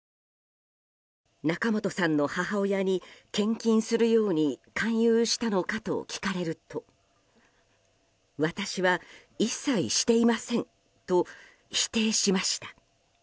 仲本さんの母親に献金するように勧誘したのかと聞かれると私は一切していませんと否定しました。